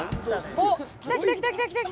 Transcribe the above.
おっ来た来た来た来た来た。